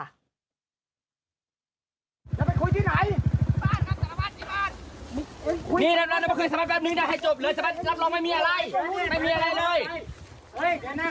กำลังไปคุยที่ไหน